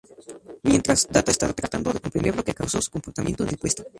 Mientras, Data está tratando de comprender lo que causó su comportamiento en el puesto.